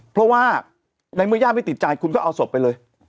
เพราะว่าในเมื่อญาติไม่ติดใจคุณก็เอาศพไปเลย